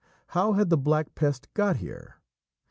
How had the Black Pest got here?